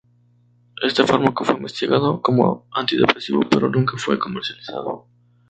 Este fármaco fue investigado como antidepresivo, pero nunca fue comercializado.